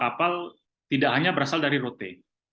kapal tidak hanya berasal dari rote